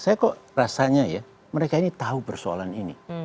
saya kok rasanya ya mereka ini tahu persoalan ini